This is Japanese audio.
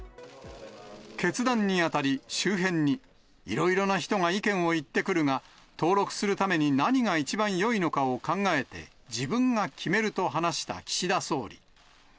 決断にあたり、周辺に、いろいろな人が意見を言ってくるが、登録するために何が一番よいのかを考えて、自分が決めると話した岸田総理。